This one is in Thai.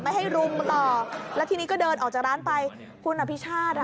ไม่ให้รุมต่อแล้วทีนี้ก็เดินออกจากร้านไปคุณอภิชาติอ่ะ